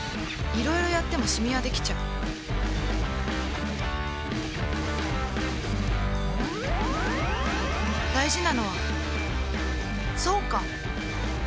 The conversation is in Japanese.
いろいろやってもシミはできちゃう大事なのはそうか！